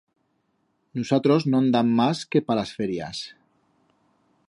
Nusatros no'n dam mas que pa las ferias.